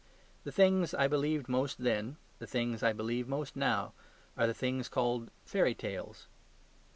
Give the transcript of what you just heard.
The things I believed most then, the things I believe most now, are the things called fairy tales.